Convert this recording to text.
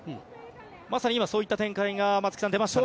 まさに今、そういった展開が松木さん、出ましたね。